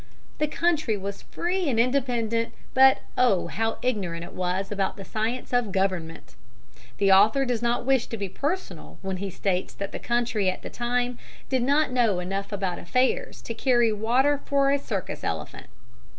The country was free and independent, but, oh, how ignorant it was about the science of government! The author does not wish to be personal when he states that the country at that time did not know enough about affairs to carry water for a circus elephant.